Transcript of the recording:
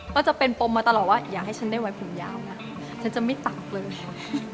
ก็จะเป็นปมมาตลอดว่าอย่าให้ฉันได้ไว้ผมยาวนะฉันจะไม่ตักเลยค่ะ